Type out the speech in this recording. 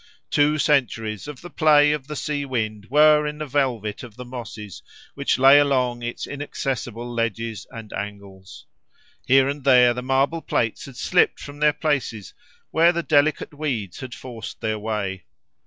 Two centuries of the play of the sea wind were in the velvet of the mosses which lay along its inaccessible ledges and angles. Here and there the marble plates had slipped from their places, where the delicate weeds had forced their way.